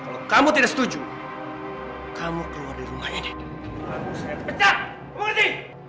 kalau kamu tidak setuju kamu keluar dari rumah ini